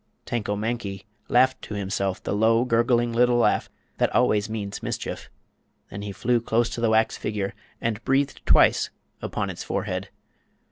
Tanko Mankie laughed to himself the low, gurgling little laugh that always means mischief. Then he flew close to the wax figure and breathed twice upon its forehead.